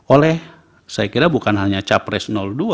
oleh saya kira bukan hanya capres dua